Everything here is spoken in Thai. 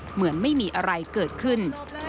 เหมือนไม่มีอะไรเกิดขึ้น